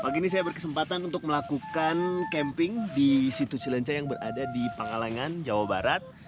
pagi ini saya berkesempatan untuk melakukan camping di situ cilenca yang berada di pangalangan jawa barat